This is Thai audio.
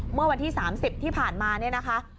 เมื่อวันที่๓๐ที่ผ่านมาเนี่ยนะคะ